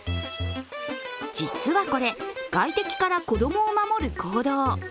実はこれ、外敵から子供を守る行動。